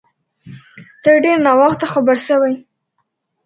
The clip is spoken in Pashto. ته ډیر ناوخته خبر سوی